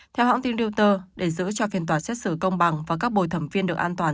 theo hãng tin reuter để giữ cho phiên tòa xét xử công bằng và các bồi thẩm viên được an toàn